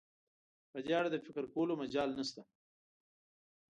په دې اړه د فکر کولو مجال نشته.